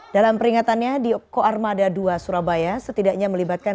dalam peringatannya di koarmada dua surabaya setidaknya melibatkan